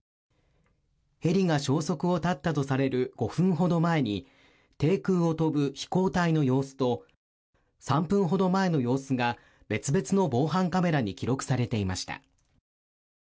ヘリが消息を絶ったとされる５分ほど前に低空を飛ぶ飛行体の様子と３分ほど前の様子が別々の防犯カメラに記録されていました。